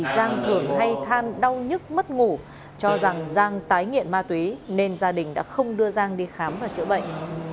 giang thường hay than đau nhức mất ngủ cho rằng giang tái nghiện ma túy nên gia đình đã không đưa giang đi khám và chữa bệnh